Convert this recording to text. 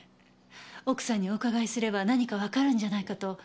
奥さんにお伺いすれば何かわかるんじゃないかと。